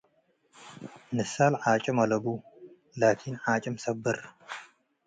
ንሳል ዐጭም አለቡ፣ ላኪን ዓጭም ሰብር።'